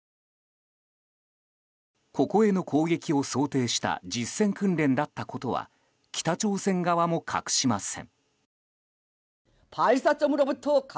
ここへの攻撃を想定した実戦訓練だったことは北朝鮮側も隠しません。